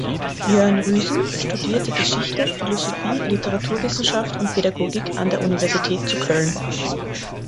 Jörn Rüsen studierte Geschichte, Philosophie, Literaturwissenschaft und Pädagogik an der Universität zu Köln.